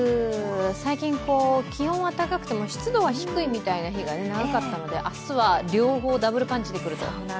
最近、気温は高くても湿度は低いみたいな日が長かったので、明日は両方ダブルパンチでくると。